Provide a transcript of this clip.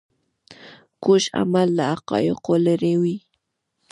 کوږ عمل له حقایقو لیرې وي